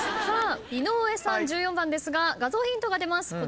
さあ井上さん１４番ですが画像ヒントが出ます。